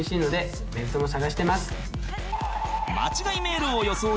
間違いメールを装い